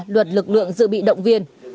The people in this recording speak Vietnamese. luật lực lượng dự bị động viên